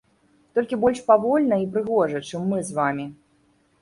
Толькі больш павольна і прыгожа, чым мы з вамі.